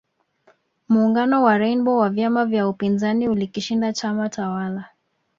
Muungano wa Rainbow wa vyama vya upinzani ulikishinda chama tawala